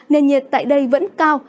nên nhiệt tại đây vẫn cao